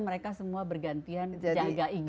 mereka semua bergantian jaga igd